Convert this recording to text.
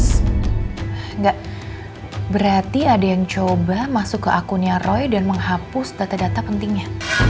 enggak berarti ada yang coba masuk ke akunnya roy dan menghapus data data pentingnya